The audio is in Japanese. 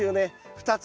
２つ。